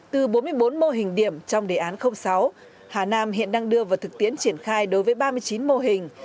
từ bốn mươi bốn mô hình điểm trong đề án sáu hà nam hiện đang đưa vào thực tiễn triển khai đối với ba mươi chín mô hình